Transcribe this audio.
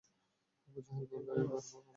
Abu Jahl বলল, এরা আবার এমন কে?